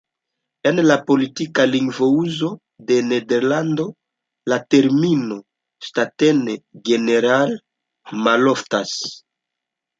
En la politika lingvouzo de Nederlando la termino „"Staten-Generaal"“ maloftas.